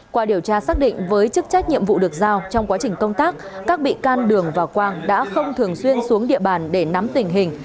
qua điều tra xác định với chức trách nhiệm vụ được giao trong quá trình công tác các bị can đường và quang đã không thường xuyên xuống địa bàn để nắm tình hình